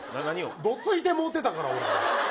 どついてもうてたから。